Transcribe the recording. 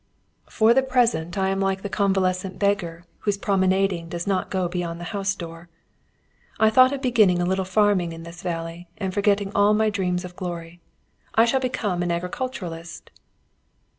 "For the present I am like the convalescent beggar whose promenading does not go beyond the house door. I thought of beginning a little farming in this valley and forgetting all my dreams of glory. I shall become an agriculturist."